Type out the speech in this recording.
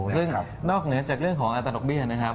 ซึ่งนอกเหนือจากเรื่องของอัตราดอกเบี้ยนะครับ